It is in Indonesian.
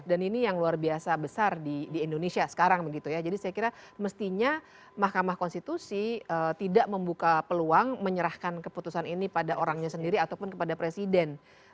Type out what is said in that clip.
ini yang luar biasa besar di indonesia sekarang begitu ya jadi saya kira mestinya mahkamah konstitusi tidak membuka peluang menyerahkan keputusan ini pada orangnya sendiri ataupun kepada presiden